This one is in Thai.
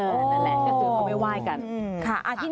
นั่นแหละก็สวยเขาไม่ไหว้กัน